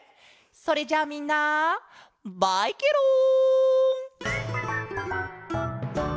それじゃみんなバイケロン！